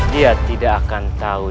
dia tidak akan tahu